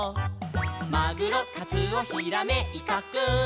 「マグロカツオヒラメイカくん」